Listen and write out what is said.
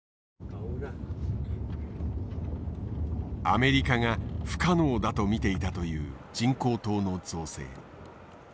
アメリカが不可能だと見ていたという人工島の造成。